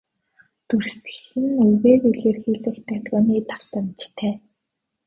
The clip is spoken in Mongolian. Дүрслэл нь үгээр илрэх долгионы давтамжтай.